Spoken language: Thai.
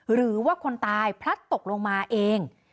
หรือว่าคนตายพลัดตกลงมาเอง